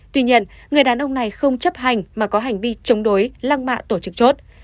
tuy nhiên người đàn ông này không chấp hành mà có hành vi chống đối lăng mạ tổ chức chốt